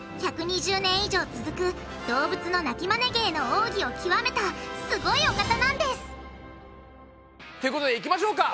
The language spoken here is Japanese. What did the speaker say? １２０年以上続く動物の鳴きマネ芸の奥義を究めたすごいお方なんですということでいきましょうか！